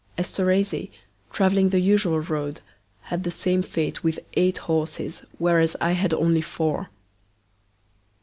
Esterhazy, travelling the usual road, had the same fate with eight horses, whereas I had only four.